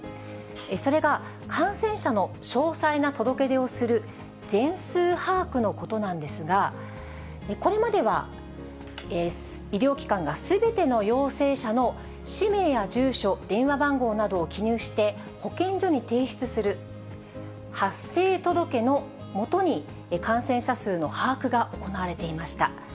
それが、感染者の詳細な届け出をする全数把握のことなんですが、これまでは、医療機関がすべての陽性者の氏名や住所、電話番号などを記入して、保健所に提出する、発生届のもとに感染者数の把握が行われていました。